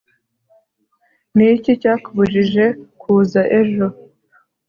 ni iki cyakubujije kuza ejo